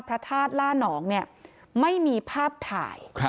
พระธาตุล่านองเนี่ยไม่มีภาพถ่าย